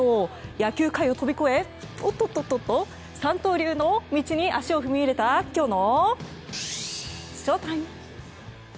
野球界を飛び越え三刀流の道に足を踏み入れたきょうのＳＨＯＴＩＭＥ！